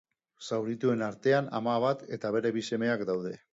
Zaurituen artean ama bat eta bere bi semeak daude.